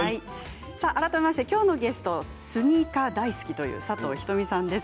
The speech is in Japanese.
改めましてきょうのゲストスニーカー大好きという佐藤仁美さんです。